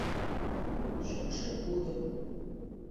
Шӱкшӧ кудо.